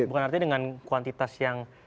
bukan artinya dengan kuantitas yang